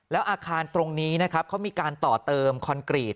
แล้วอาคารตรงนี้นะครับเขามีการต่อเติมคอนกรีต